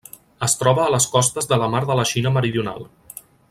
Es troba a les costes de la Mar de la Xina Meridional.